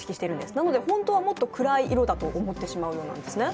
なので本当はもっと暗い色と思っているんですね。